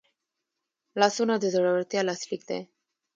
لاسونه د زړورتیا لاسلیک دی